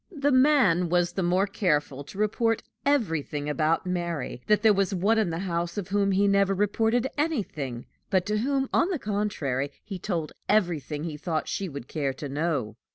The man was the more careful to report everything about Mary, that there was one in the house of whom he never reported anything, but to whom, on the contrary, he told everything he thought she would care to know.